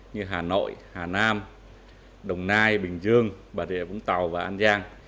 như hà nội hà nam đồng nai bình dương bà rịa vũng tàu và an giang